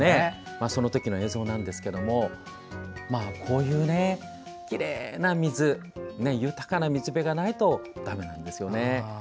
その時の映像なんですがこういうきれいな水豊かな水辺がないとだめなんですよね。